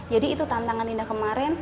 jadi itu tantangan indah kemarin